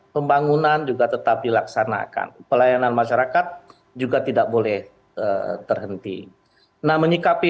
pembangunan juga tetap dilaksanakan pelayanan masyarakat juga tidak boleh terhenti nah menyikapi